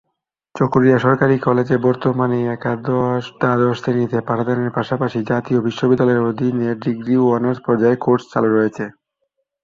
চকরিয়া সরকারি কলেজে বর্তমানে একাদশ-দ্বাদশ শ্রেণীতে পাঠদানের পাশাপাশি জাতীয় বিশ্ববিদ্যালয়ের অধীনে ডিগ্রি ও অনার্স পর্যায়ের কোর্স চালু রয়েছে।